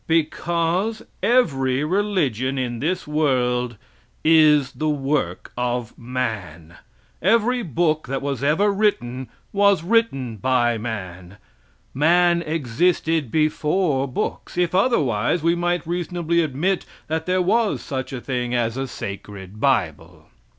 Because every religion in this world is the work of man. Every book that was ever written was written by man. Man existed before books. If otherwise, we might reasonably admit that there was such a thing as a sacred bible.